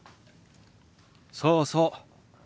そうそう。